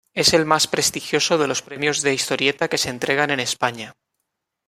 Es el más prestigioso de los premios de historieta que se entregan en España.